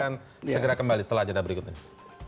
kami akan segera kembali setelah cerita berikutnya